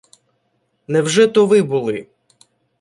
— Невже то ви були?